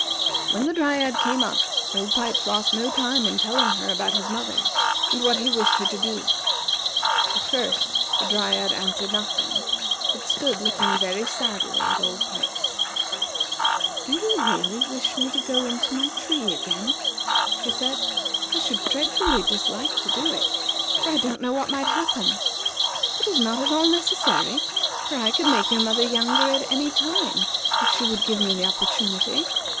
When the Dryad came up, Old Pipes lost no time in telling her about his mother, and what he wished her to do. At first, the Dryad answered nothing, but stood looking very sadly at Old Pipes. "Do you really wish me to go into my tree again?" she said. "I should dreadfully dislike to do it, for I don't know what might happen. It is not at all necessary, for I could make your mother younger at any time if she would give me the opportunity.